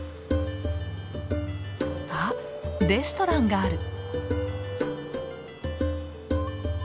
あレストランがある。